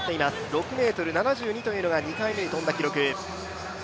６ｍ７２というのが、２回目に跳んだ記録。